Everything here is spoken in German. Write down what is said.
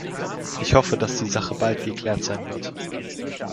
Ich hoffe, dass die Sache bald geklärt sein wird.